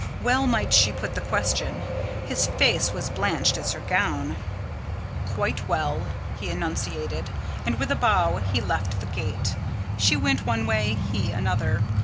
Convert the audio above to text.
Well might she put the question: his face was blanched as her gown. "Quite well," he enunciated; and, with a bow, he left the gate. She went one way; he another.